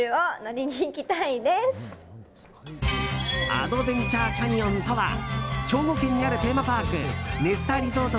アドベンチャー・キャニオンとは兵庫県にあるテーマパークネスタリゾート